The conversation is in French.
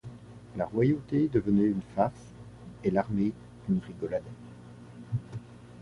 La royauté devenait une farce, et l'armée, une rigolade.